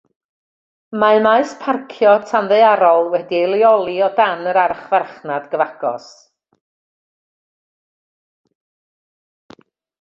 Mae maes parcio tanddaearol wedi'i leoli o dan yr archfarchnad gyfagos.